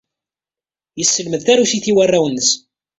Yesselmed tarusit i warraw-nnes.